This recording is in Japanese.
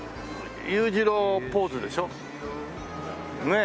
裕次郎ポーズでしょ？ねえ。